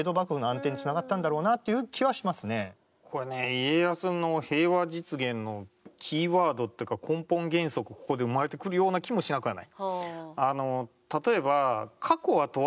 家康の平和実現のキーワードっていうか根本原則がここで生まれてくるような気もしなくはない。